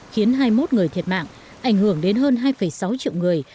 khiến hai mươi một người thiệt mạng ảnh hưởng đến hơn hai sáu triệu người